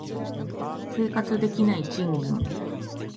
生活できない賃金